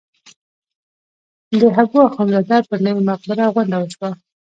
د حبواخندزاده پر نوې مقبره غونډه وشوه.